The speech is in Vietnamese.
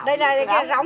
đây là tập gióng